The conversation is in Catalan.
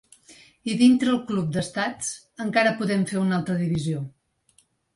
I dintre el club d’estats encara podem fer una altra divisió.